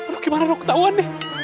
aduh gimana dong ketauan nih